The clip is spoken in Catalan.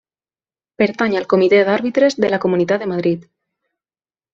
Pertany al Comitè d'Àrbitres de la Comunitat de Madrid.